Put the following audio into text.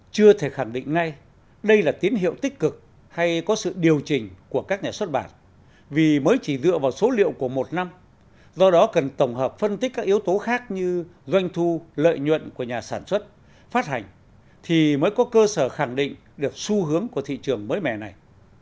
chưa thể khẳng định ngay đây là tín hiệu tích cực hay có sự điều chỉnh của các nhà xuất bản vì mới chỉ dựa vào số liệu của một năm do đó cần tổng hợp phân tích các yếu tố khác như doanh thu lợi nhuận của nhà sản xuất phát hành thì mới có cơ sở khẳng định được xu hướng của thị trường mới mẻ này